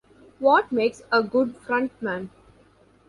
What makes a good frontman?